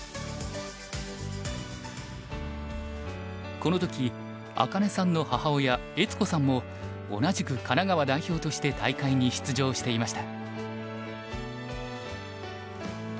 この時茜さんの母親悦子さんも同じく神奈川代表として大会に出場していました。